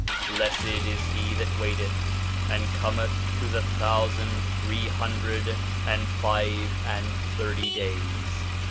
Blessed is he that waiteth and cometh to the thousand three hundred and five and thirty days